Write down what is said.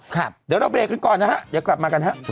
ครับเดี๋ยวเราเบรกกันก่อนนะฮะเดี๋ยวกลับมากันฮะ